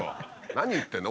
何言ってんの？